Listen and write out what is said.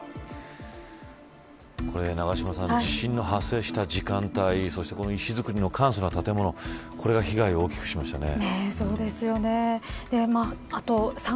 永島さん、地震の発生した時間帯、そしてこの石造りの簡素な建物これが被害を大きくしましたね。